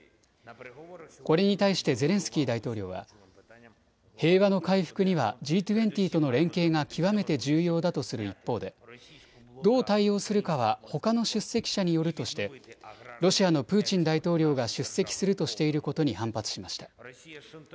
これに対してゼレンスキー大統領は平和の回復にはＧ２０との連携が極めて重要だとする一方でどう対応するかはほかの出席者によるとしてロシアのプーチン大統領が出席するとしていることに反発しました。